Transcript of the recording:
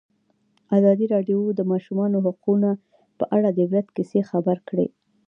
ازادي راډیو د د ماشومانو حقونه په اړه د عبرت کیسې خبر کړي.